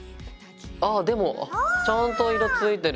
ああでもちゃんと色ついてる。